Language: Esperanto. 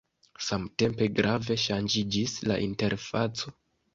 Samtempe grave ŝanĝiĝis la interfaco.